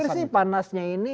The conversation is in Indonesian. panasannya ini panasnya ini